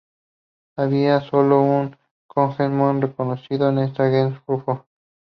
Había sólo un "cognomen" conocido en esta gens: Rufo.